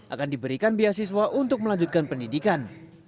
akan diberikan beasiswa untuk melanjutkan pendidikan